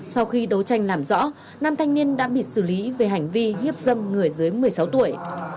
sau khi đấu tranh làm rõ nam thanh niên đã bị xử lý về hành vi hiếp dâm người dưới một mươi sáu tuổi